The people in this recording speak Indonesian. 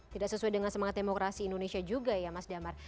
tidak sesuai dengan semangat demokrasi indonesia juga ya mas damar